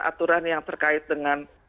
aturan yang terkait dengan